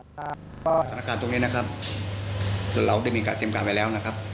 สถานการณ์ตรงนี้นะครับส่วนเราได้มีการเต็มการไปแล้วนะครับ